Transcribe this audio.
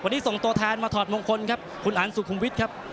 วันนี้ส่งตัวแทนมาถอดมงคลครับคุณอันสุขุมวิทย์ครับ